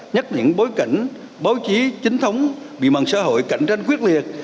nhắc những bối cảnh báo chí chính thống bị mặn xã hội cạnh tranh quyết liệt